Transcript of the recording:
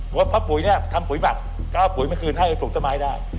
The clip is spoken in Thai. เพราะป้าปุ๋ยเนี่ยทำปุ๋ยหมักก็เอาปุ๋ยมาคืนให้ก็ปลูกต้นไม้ได้